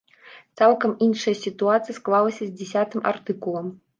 Цалкам іншая сітуацыя склалася з дзясятым артыкулам.